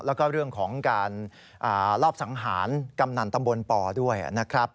แล้วก็เรื่องของการรอบสังหารกำนันตำบลปด้วยนะครับ